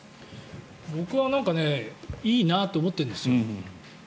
僕はいいなと思ってるんです。